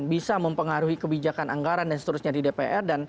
bisa mempengaruhi kebijakan anggaran dan seterusnya di dpr